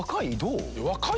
若い？